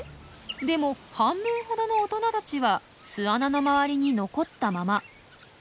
でも半分ほどの大人たちは巣穴の周りに残ったまま。